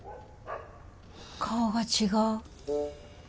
顔が違う。